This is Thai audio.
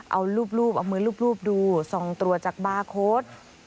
เอารูปรูปเอามือรูปดู๒ตัวจากบาร์โค้ด